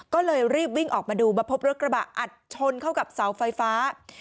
ก็เลยรีบวิ่งออกมาดูมาพบรถกระบะอัดชนเข้ากับเสาไฟฟ้า